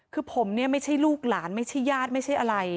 คือผมเนี่ยไม่ใช่ลูกหลานไม่ใช่ญาติไม่ใช่อะไร